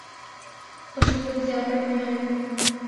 ওষুধপাতি যা পারি নিয়ে আসবো।